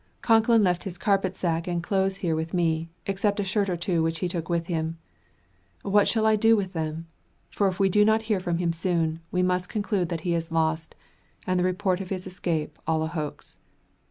Concklin left his carpet sack and clothes here with me, except a shirt or two he took with him. What shall I do with them? For if we do not hear from him soon, we must conclude that he is lost, and the report of his escape all a hoax.